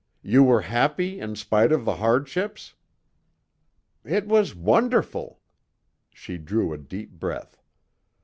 "You were happy in spite of the hardships?" "It was wonderful!" She drew a deep breath.